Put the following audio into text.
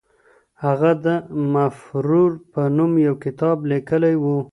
هغه د مفرور په نوم یو کتاب لیکلی و.